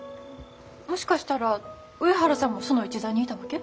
もしかしたら上原さんもその一座にいたわけ？